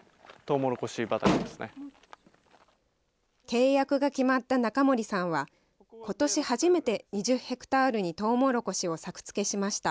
契約が決まった中森さんは、ことし初めて２０ヘクタールにトウモロコシを作付けしました。